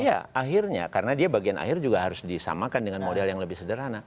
iya akhirnya karena dia bagian akhir juga harus disamakan dengan model yang lebih sederhana